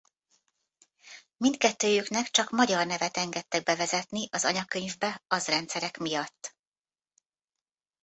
Mindkettőjüknek csak magyar nevet engedtek bevezetni az anyakönyvbe az rendszerek miatt.